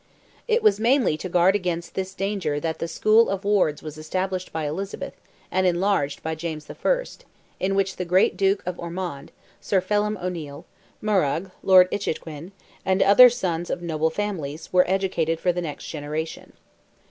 It was mainly to guard against this danger that "the School of Wards" was established by Elizabeth, and enlarged by James I., in which the great Duke of Ormond, Sir Phelim O'Neil, Murrogh, Lord Inchiquin, and other sons of noble families, were educated for the next generation.